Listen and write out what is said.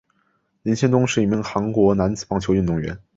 林仙东是一名韩国男子棒球运动员。